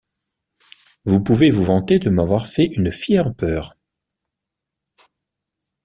Vous pouvez vous vanter de m’avoir fait une fière peur!